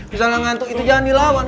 misalnya ngantuk itu jangan dilawan